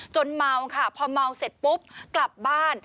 เมาค่ะพอเมาเสร็จปุ๊บกลับบ้าน